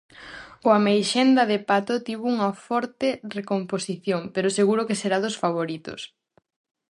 O Ameixenda de Pato tivo unha forte recomposición, pero seguro que será dos favoritos.